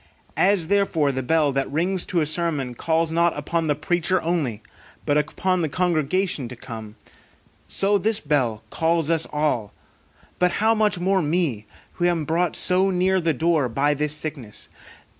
As therefore the bell that rings to a sermon calls not upon the preacher only, but upon the congregation to come, so this bell calls us all; but how much more me, who am brought so near the door by this sickness.